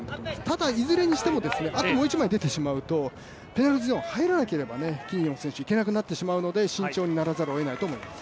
ただいずれにしても、あともう一枚出てしまうと、ペナルティーゾーン入らなければ、キニオン選手いけなくなりますので気をつけなくてはいけないと思います。